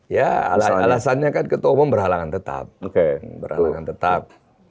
ya alasannya kan ketua umum berhalangan tetap